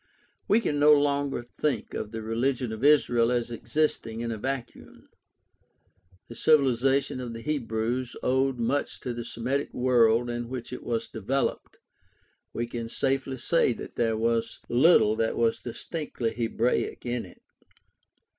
We can no longer think of the religion of Israel as existing in a vacuum. The civili zation of the Hebr&ws owed much to the Semitic world in which it was developed ; we can safely say that there was little that was distinctively Hebraic in it.